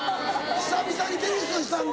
久々にテニスをしたんだ。